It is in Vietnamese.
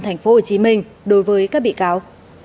tp hcm đối với các bị cáo